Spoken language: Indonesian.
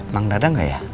mang dadang gak ya